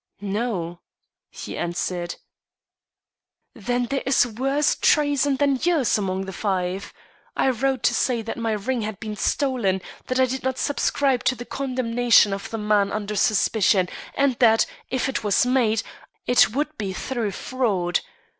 "No," he answered. "Then there is worse treason than yours among the five. I wrote to say that my ring had been stolen; that I did not subscribe to the condemnation of the man under suspicion, and that, if it was made, it would be through fraud.